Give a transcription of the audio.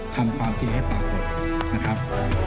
ทำความจริงให้ปรากฏนะครับ